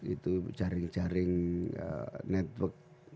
itu jaring jaring network